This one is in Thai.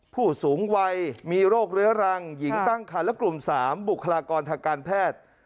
ผู้สูงวัยมีโรคเรื้อรังหญิงตั้งคันและกลุ่ม๓บุคลากรทางการแพทย์